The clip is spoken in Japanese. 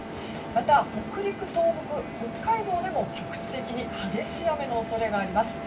また、北陸、東北、北海道でも局地的に激しい雨の恐れがあります。